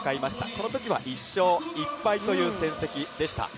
このときは１勝１敗という成績でした。